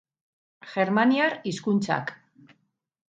Germaniar hizkuntzak.